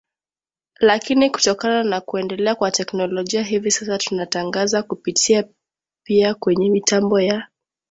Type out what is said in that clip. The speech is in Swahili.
lakini kutokana na kuendelea kwa teknolojia hivi sasa tunatangaza kupitia pia kwenye mitambo ya